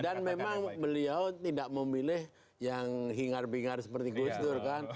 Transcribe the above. dan memang beliau tidak memilih yang hingar bingar seperti gus dur kan